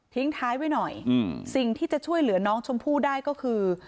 ท้ายไว้หน่อยสิ่งที่จะช่วยเหลือน้องชมพู่ได้ก็คือ